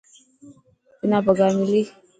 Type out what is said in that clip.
تنا پگهار ملي.